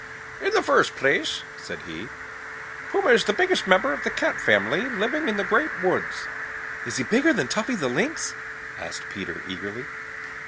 "In the first place," said he, "Puma is the biggest member of the Cat family living in the Great Woods." "Is he bigger than Tuffy the Lynx?" asked Peter eagerly.